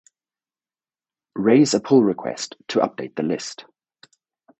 Raise a pull request to update the list